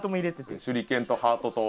手裏剣とハートと。